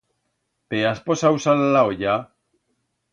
Be has posau sal a la olla?